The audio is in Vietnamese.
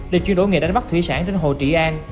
để chuyển đổi nghề đánh bắt thủy sản trên hồ trị an